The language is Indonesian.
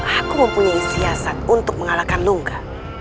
aku mempunyai siasat untuk mengalahkan luka